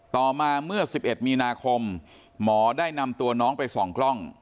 ต่อมาเมื่อ๑๑มีนาคมหมอได้นำตัวน้องไปส่องกล้อง